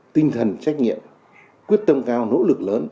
tinh thần trách nhiệm quyết tâm cao nỗ lực lớn